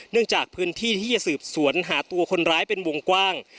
จากพื้นที่ที่จะสืบสวนหาตัวคนร้ายเป็นวงกว้าง